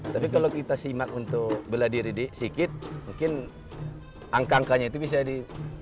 tapi kalau kita simak untuk bela diri sikit mungkin angka angkanya itu bisa di